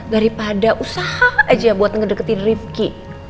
daripada usaha aja buat ngedekin rifki